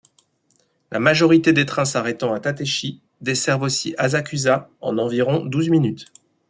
La majorité des trains s'arrêtant à Tateishi desservent aussi Asakusa, en environ douze minutes.